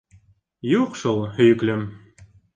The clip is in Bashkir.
Юҡ шул, һөйөклөм!